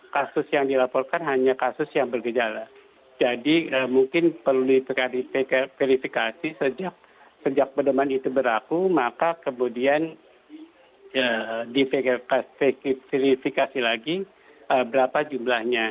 kasus yang dilaporkan hanya kasus yang bergejala jadi mungkin perlu di verifikasi sejak perdeman itu berlaku maka kemudian di verifikasi lagi berapa jumlahnya